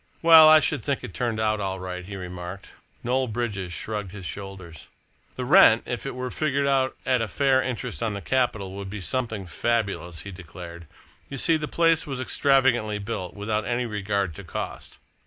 "Well, I should think it's turned out all right," he remarked. Noel Bridges shrugged his shoulders. "The rent, if it were figured out at a fair interest on the capital, would be something fabulous," he declared. "You see, the place was extravagantly built without any regard to cost.